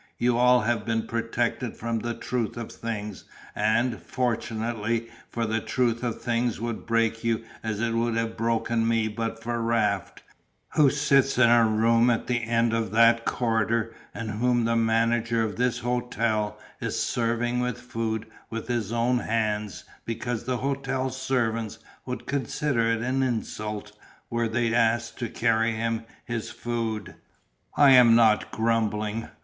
You all have been protected from the truth of things, and fortunately, for the truth of things would break you as it would have broken me but for Raft, who sits in a room at the end of that corridor and whom the manager of this hotel is serving with food with his own hands because the hotel servants would consider it an insult were they asked to carry him his food. "I am not grumbling.